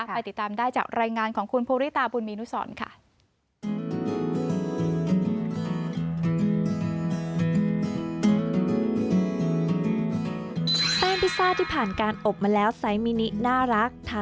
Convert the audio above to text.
ไปติดตามได้จากรายงานของคุณภูริตาบุญมีนุสรค่ะ